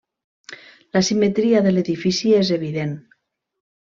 La simetria de l'edifici és evident.